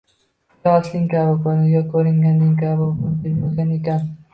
Yo asling kabi ko`rin, yo ko`ringaning kabi bo`l, deb yozgan ekan